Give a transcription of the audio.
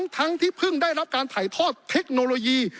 ทั้งที่เพิ่งได้รับการถ่ายทอดเทคโนโลยี